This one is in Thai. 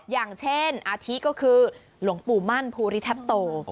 อย่างเช่นอาทิก็คือหลวงปู่มั่นภูริทัตโต